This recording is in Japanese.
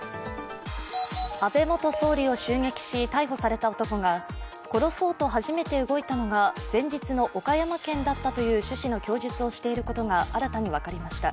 安倍元総理を襲撃し、逮捕された男が殺そうと初めて動いたのが前日の岡山県だったという趣旨の供述をしていることが新たに分かりました。